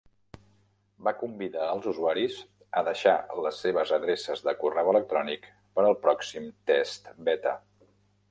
Va convidar els usuaris a deixar les seves adreces de correu electrònic per al pròxim test beta.